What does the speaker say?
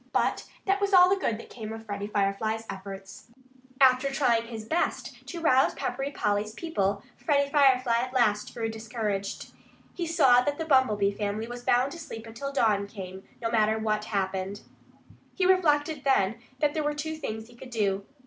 But that was all the good that came of Freddie Firefly's efforts. After trying his best to rouse Peppery Polly's people, Freddie Firefly at last grew discouraged. He saw that the Bumblebee family was bound to sleep until dawn came, no matter what happened. He reflected, then, that there were two things he could do.